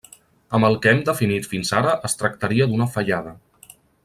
Amb el que hem definit fins ara es tractaria d'una fallada.